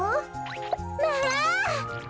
まあ！